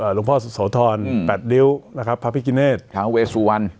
หลวงพ่อโสธรแปดริ้วพระพิกิเนส